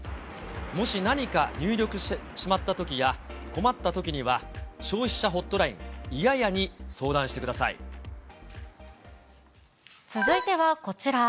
もし何か入力してしまったときや困ったときには、消費者ホットライン、続いてはこちら。